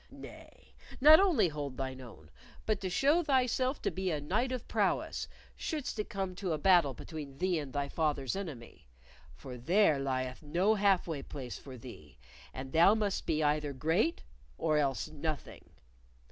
Nay, not only hold thine own, but to show thyself to be a knight of prowess shouldst it come to a battle between thee and thy father's enemy; for there lieth no half way place for thee, and thou must be either great or else nothing.